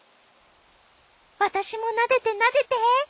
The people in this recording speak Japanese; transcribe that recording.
私もなでてなでて。